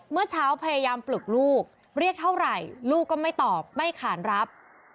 เมื่อเช้าพยายามปลุกลูกเรียกเท่าไหร่ลูกก็ไม่ตอบไม่ขานรับ